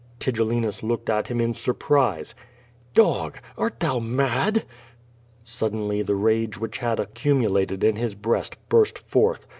Tigellinus looked at him in surprise. "Dog! art thou mad?" Suddenly the rage which had accumulated in his breast burst forth.